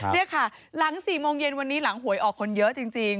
นี่ค่ะหลัง๔โมงเย็นวันนี้หลังหวยออกคนเยอะจริง